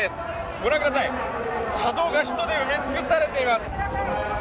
ご覧ください、車道が人で埋め尽くされています。